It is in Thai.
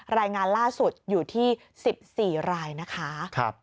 รายงานล่าสุดอยู่ที่๑๔รายนะคะ